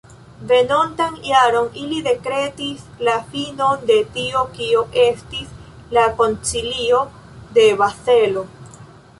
Venontan jaron, ili dekretis la finon de tio kio estis la Koncilio de Bazelo.